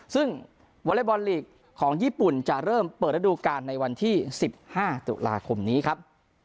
ซึ่งวอเล็กบอลลีกของญี่ปุ่นจะเริ่มเปิดระดูการในวันที่๑๕ตุลาคมนี้ครับ